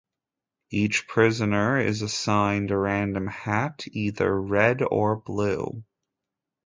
Each prisoner is assigned a random hat, either red or blue.